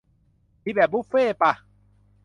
มีแบบบุฟเฟ่ต์ป่ะ ?